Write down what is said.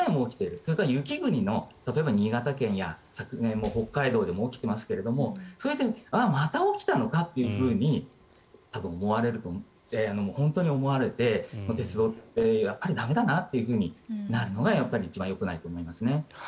それから例えば雪国の新潟や北海道でも起きていますがまた起きたのかというふうに多分思われると思われて鉄道ってやっぱり駄目だなとなるのがやっぱり一番よくないと思いますね。